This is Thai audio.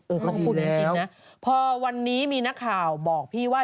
ขอบคุณจริงนะพอวันนี้มีนักข่าวบอกพี่ว่า